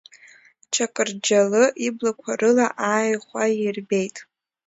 Чақырџьалы иблақәа рыла ааи хәа иирбеит.